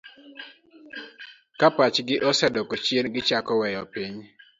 Ka pachgi osedok chien, gichako weyo piny.